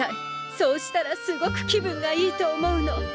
そうしたらすごく気分がいいと思うの。